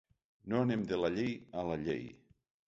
No anem de la llei a la llei.